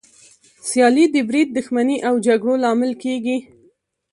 سیالي د بريد، دښمني او جګړو لامل کېږي.